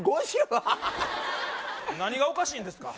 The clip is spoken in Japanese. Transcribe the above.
ハハハハ何がおかしいんですか？